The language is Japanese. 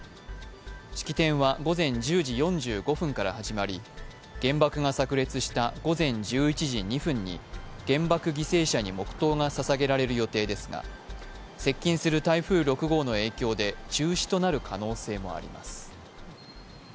式典は午前１０時４５分から始まり原爆がさく裂した午前１１時２分に原爆犠牲者に黙とうがささげられる予定ですが、接近する台風６号の影響で中止となる可能性もあります。